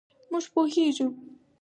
مونږ پوهیږو